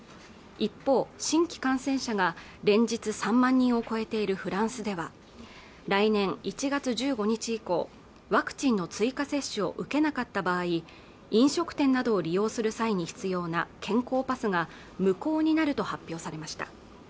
一方新規感染者が連日３万人を超えているフランスでは来年１月１５日以降ワクチンの追加接種を受けなかった場合飲食店などを利用する際に必要な健康パスが無効になると発表されました